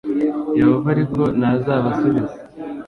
Yehova ariko ntazabasubiza